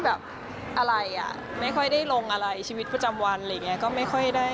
และแม่ก็คือแม่